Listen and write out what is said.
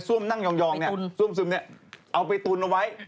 ส้วมนั่งยองนี่ส้วมซึมนี่เอาไปตุนเอาไว้